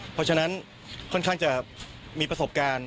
เพราะฉะนั้นค่อนข้างจะมีประสบการณ์